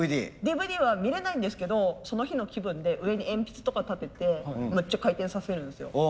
ＤＶＤは見れないんですけどその日の気分で上に鉛筆とか立ててめっちゃ回転させるんですよ。